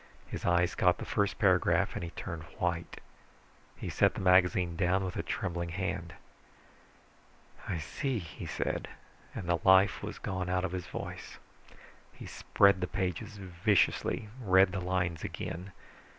His eyes caught the first paragraph and he turned white. He set the magazine down with a trembling hand. "I see," he said, and the life was gone out of his voice. He spread the pages viciously, read the lines again.